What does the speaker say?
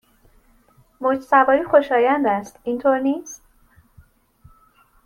موج سواری خوشایند است، اینطور نیست؟